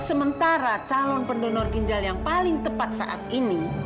sementara calon pendonor ginjal yang paling tepat saat ini